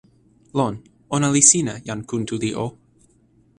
lon. ona li sina, jan Kuntuli o.